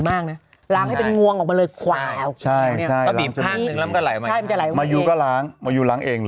มึงก็ล้างมึงล้างเอง